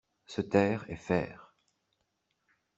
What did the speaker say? Se taire et faire